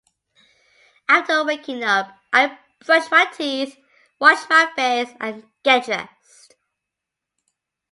After waking up, I brush my teeth, wash my face, and get dressed.